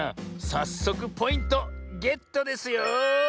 さっそくポイントゲットですよ。